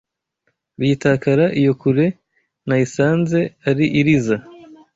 Biyitakara iyo kure Nayisanze ari iriza